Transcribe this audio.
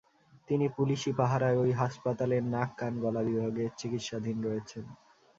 তিনি পুলিশি পাহারায় ওই হাসপাতালের নাক কান গলা বিভাগে চিকিৎসাধীন রয়েছেন।